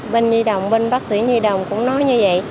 bên nhi đồng binh bác sĩ nhi đồng cũng nói như vậy